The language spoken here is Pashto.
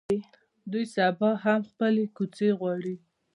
دوی سبا هم خپلې څوکۍ غواړي.